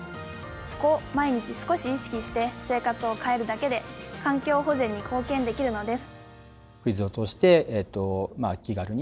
そこを毎日少し意識して生活を変えるだけで環境保全に貢献できるのです。